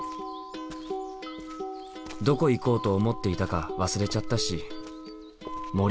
どこ行こうと思っていたか忘れちゃったし森を歩くか。